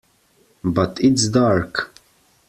But it's dark!